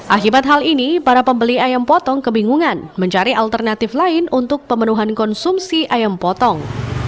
akibat hal ini para pembeli ayam potong kebingungan mencari alternatif lain untuk pemenuhan konsumsi ayam potong